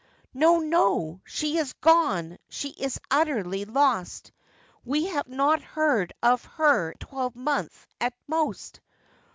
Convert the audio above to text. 'No, no! she is gone, she is utterly lost; We have not heard of her a twelvemonth at most!